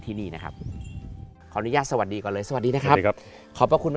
ที่นี่นะครับขออนุญาตสวัสดีก่อนเลยสวัสดีนะครับขอบพระคุณนะ